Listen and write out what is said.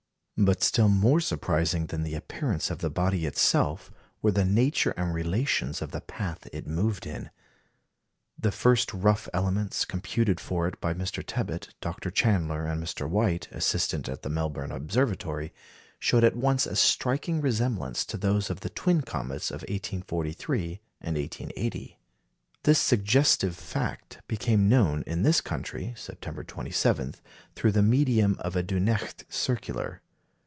But still more surprising than the appearance of the body itself were the nature and relations of the path it moved in. The first rough elements computed for it by Mr. Tebbutt, Dr. Chandler, and Mr. White, assistant at the Melbourne Observatory, showed at once a striking resemblance to those of the twin comets of 1843 and 1880. This suggestive fact became known in this country, September 27, through the medium of a Dunecht circular.